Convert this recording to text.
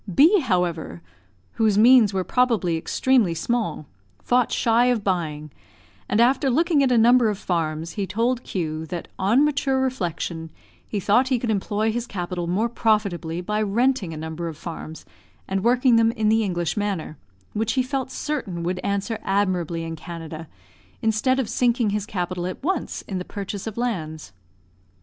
B , however whose means were probably extremely small, fought shy of buying; and after looking at a number of farms, he told Q that, on mature reflection, he thought he could employ his capital more profitably by renting a number of farms, and working them in the English manner, which he felt certain would answer admirably in Canada, instead of sinking his capital at once in the purchase of lands.